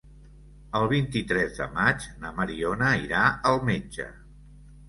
El vint-i-tres de maig na Mariona irà al metge.